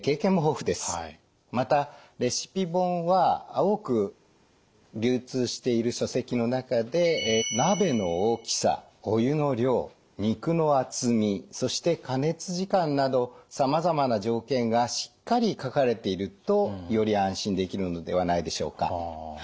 またレシピ本は多く流通している書籍の中で鍋の大きさお湯の量肉の厚みそして加熱時間などさまざまな条件がしっかり書かれているとより安心できるのではないでしょうか。